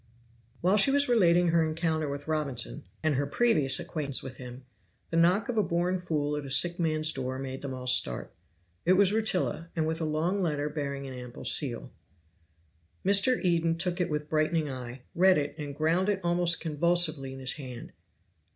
While she was relating her encounter with Robinson, and her previous acquaintance with him, the knock of a born fool at a sick man's door made them all start. It was Rutila, with a long letter bearing an ample seal. Mr. Eden took it with brightening eye, read it, and ground it almost convulsively in his hand.